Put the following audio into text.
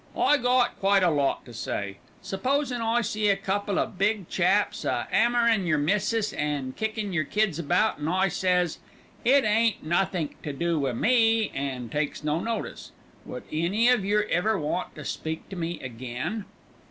"I got quite a lot to say. Supposin' I see a couple of big chaps a 'ammerin' your missis an' kickin' yer kids about, an' I says, 'It ain't nothink to do wi' me,' an' takes no notice. Would any of yer ever want to speak to me again?"